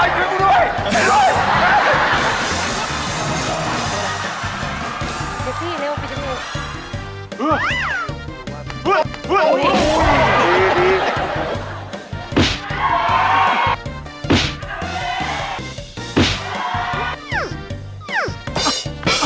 เยี่ยม